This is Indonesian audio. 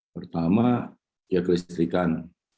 pertama ya kelistrikan